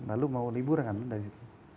lalu mau liburan